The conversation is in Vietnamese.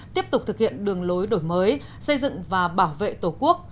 tiếp tục thực hiện đường lối đổi mới xây dựng và bảo vệ tổ quốc